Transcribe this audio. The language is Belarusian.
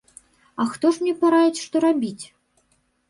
А хто ж мне параіць, што рабіць?